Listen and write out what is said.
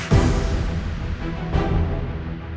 tidak kita harus ke dapur